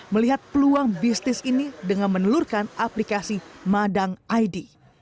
melihat peluang bisnis ini dengan menelurkan aplikasi madang id